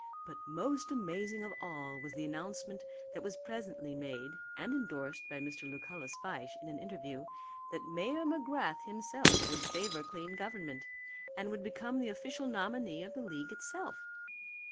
But most amazing of all was the announcement that was presently made, and endorsed by Mr. Lucullus Fyshe in an interview, that Mayor McGrath himself would favour clean government, and would become the official nominee of the league itself.